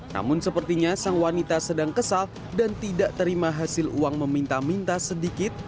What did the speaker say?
namun sepertinya sang wanita sedang kesal dan tidak terima hasil uang meminta minta sedikit